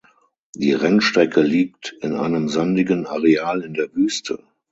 Die Rennstrecke liegt in einem sandigen Areal in der Wüste.